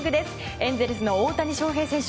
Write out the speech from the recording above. エンゼルスの大谷翔平選手